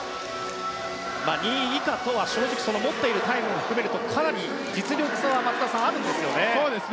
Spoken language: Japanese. ２位以下とは正直持っているタイムも含めるとかなり実力差は松田さん、あるんですよね。